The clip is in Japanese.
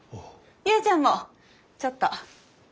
ユーちゃんもちょっと。